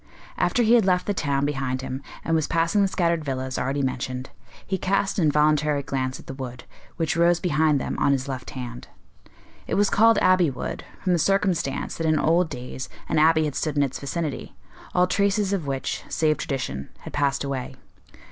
After he had left the town behind him, and was passing the scattered villas already mentioned, he cast an involuntary glance at the wood, which rose behind them on his left hand. It was called Abbey Wood, from the circumstance that in old days an abbey had stood in its vicinity, all traces of which, save tradition, had passed away.